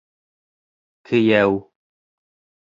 Кейәү.